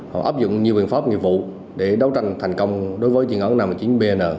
họ áp dụng nhiều biện pháp nghiệp vụ để đấu tranh thành công đối với chuyên án năm mươi chín bn